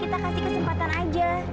kita kasih kesempatan aja